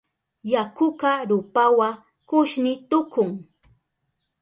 Yakuka rupawa kushni tukun.